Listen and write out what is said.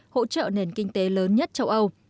hỗ trợ nền kinh tế lớn nhất châu âu